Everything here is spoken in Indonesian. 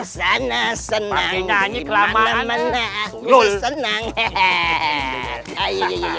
sepertinya sih ada